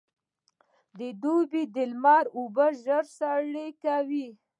د دوبي لمر اوبه ژر سرې کوي.